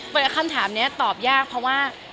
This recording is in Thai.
แต่คำถามนี้ตอบยากเพราะว่า